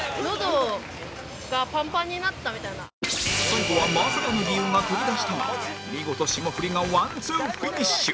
最後はまさかの理由が飛び出したが見事霜降りがワンツーフィニッシュ